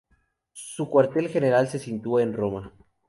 Su cuartel general se sitúa en Roma.